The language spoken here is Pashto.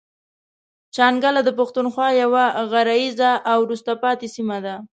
شانګله د پښتونخوا يوه غريزه او وروسته پاتې سيمه ده.